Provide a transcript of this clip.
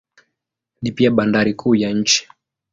Ni pia bandari kuu ya nchi.